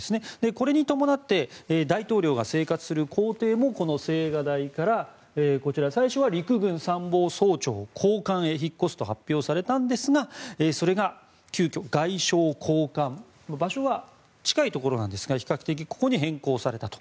これに伴って大統領が生活する公邸もこの青瓦台から最初は陸軍参謀総長公館へ引っ越すと発表されたんですがそれが急きょ、外相公館場所は比較的近いところなんですがここに変更されたと。